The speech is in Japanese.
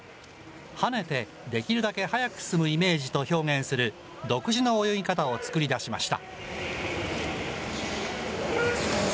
はねてできるだけ速く進むイメージと表現する、独自の泳ぎ方を作り出しました。